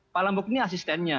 pak lambok ini asistennya